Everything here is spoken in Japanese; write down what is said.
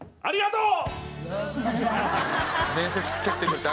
ありがとう！